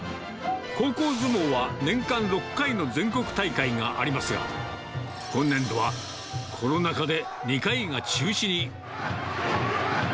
高校相撲は年間６回の全国大会がありますが、今年度はコロナ禍で２回が中止に。